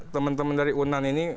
teman teman dari unan ini